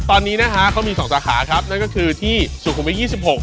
ตอนนี้นะฮะเขามีสองสาขาครับนั่นก็คือที่สุขุมวิทยี่สิบหก